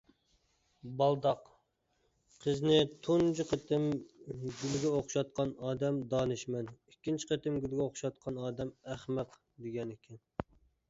بالداق: «قىزنى تۇنجى قېتىم گۈلگە ئوخشاتقان ئادەم دانىشمەن، ئىككىنچى قېتىم گۈلگە ئوخشاتقان ئادەم ئەخمەق» دېگەنىكەن.